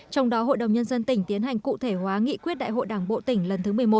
trong đó hội đồng nhân dân tỉnh tiến hành cụ thể hóa nghị quyết đại hội đảng bộ tỉnh lần thứ một mươi một